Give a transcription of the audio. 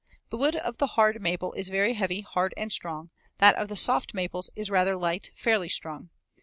The wood of the hard maple is very heavy, hard and strong; that of the soft maples is rather light, fairly strong.